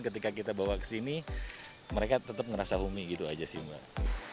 ketika kita bawa ke sini mereka tetap ngerasa home gitu aja sih mbak